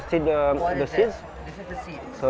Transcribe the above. jadi ini buah buahan